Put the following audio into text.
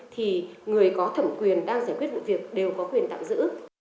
thì người có thẩm quyền đang giải quyết vụ việc đều có quyền tạm giữ